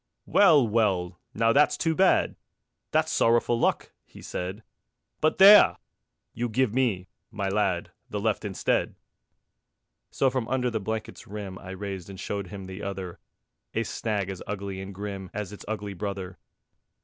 "Well, well. Now that's too bad! That's sorrowful luck," he said; "But there! You give me, my lad, The left instead." So from under the blanket's rim I raised and showed him the other, A snag as ugly and grim As its ugly brother.